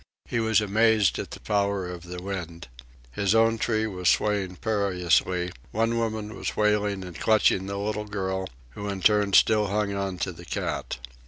He was amazed at the power of the wind. His own tree was swaying perilously, one woman was wailing and clutching the little girl, who in turn still hung on to the cat.